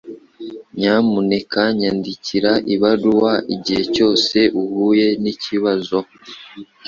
Nyamuneka nyandikira ibaruwa igihe cyose uhuye nikibazo.